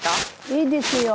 いいですよ。